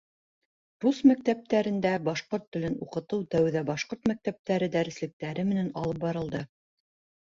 Рус мәктәптәрендә башҡорт телен уҡытыу тәүҙә башҡорт мәктәптәре дәреслектәре менән алып барылды.